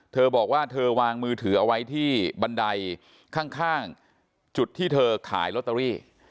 เธอบอกว่าเธอวางมือถือเอาไว้ที่บันไดข้างจุดที่เธอขายลอตเตอรี่